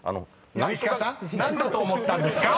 ［石川さん何だと思ったんですか？］